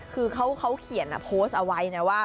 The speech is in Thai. คือเขาเขียนโพสต์เอาไว้นะว่า